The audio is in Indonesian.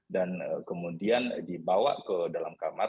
dan kemudian dibawa ke dalam kamar